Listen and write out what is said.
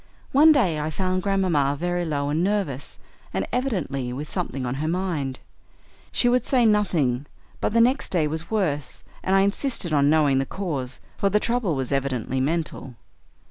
One day I found Grandmamma very low and nervous, and evidently with something on her mind. She would say nothing, but the next day was worse, and I insisted on knowing the cause, for the trouble was evidently mental.